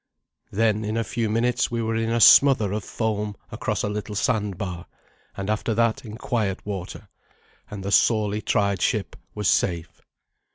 Then in a few minutes we were in a smother of foam across a little sand bar, and after that in quiet water, and the sorely tried ship was safe.